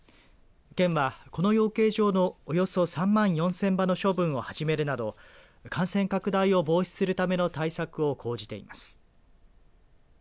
県は、この養鶏場のおよそ３万４０００羽の処分を始めるなど感染拡大を防止するための対策を講じています。